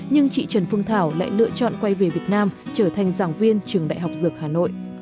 nhưng chị trần phương thảo lại lựa chọn quay về việt nam trở thành giảng viên trường đại học dược hà nội